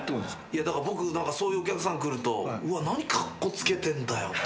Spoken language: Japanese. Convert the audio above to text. いやだから僕そういうお客さん来るとうわっ何カッコつけてんだよとかって思っちゃう。